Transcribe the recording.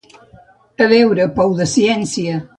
A veure, pou de ciència.